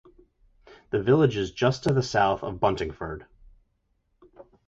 The village is just to the south of Buntingford.